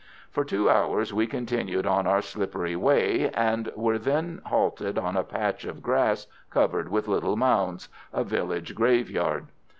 For two hours we continued on our slippery way, and were then halted on a patch of grass covered with little mounds a village graveyard.